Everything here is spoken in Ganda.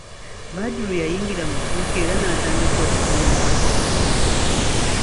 Badru yayingira mu dduuka era n'atandika okutunula.